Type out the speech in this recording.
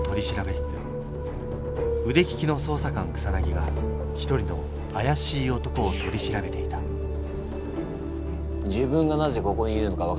うでききの捜査官草が一人のあやしい男を取り調べていた自分がなぜここにいるのか分かっているな？